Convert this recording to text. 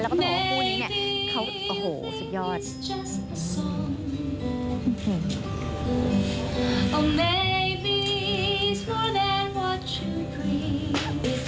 แล้วก็ต้องบอกว่าคู่นี้เนี่ยเขาโอ้โหสุดยอด